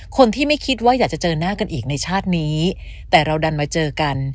คนที่ไม่คิดว่าอยากจะเจอหน้ากันอีกในชาตินี้แต่เราดันมาเจอกัน